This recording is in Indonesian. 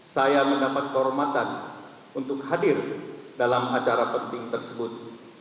saya mendapat kehormatan untuk hadir dalam acara penting tersebut